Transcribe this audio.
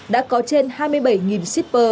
đã có trên hai mươi bảy shipper